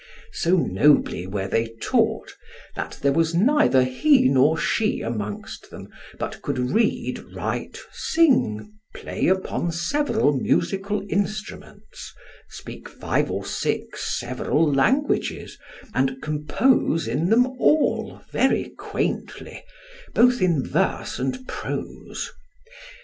So nobly were they taught, that there was neither he nor she amongst them but could read, write, sing, play upon several musical instruments, speak five or six several languages, and compose in them all very quaintly, both in verse and prose.